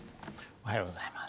おはようございます。